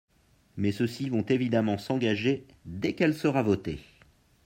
Mais ceux-ci vont évidemment s’engager dès qu’elle sera votée.